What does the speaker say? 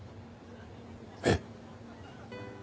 えっ！？